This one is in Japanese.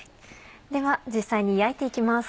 では実際に焼いて行きます。